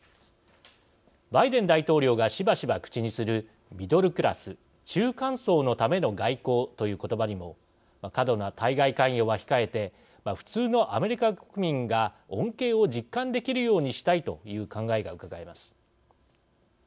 バイデン大統領がしばしば口にするミドルクラス＝中間層のための外交ということばにも過度な対外関与は控えて普通のアメリカ国民が恩恵を実感できるようにしたいという考えがうかがえます。